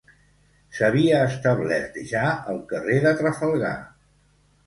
S'havia establert ja al carrer de Trafalgar.